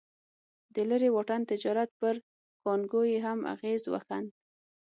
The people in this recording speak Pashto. د لرې واټن تجارت پر کانګو یې هم اغېز وښند.